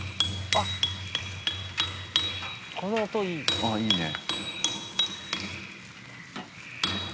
ああいいね。